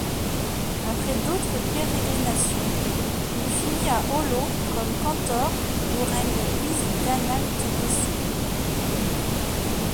Après d'autres pérégrinations, il finit à Ohlau comme cantor ou règne Louise d'Anhalt-Dessau.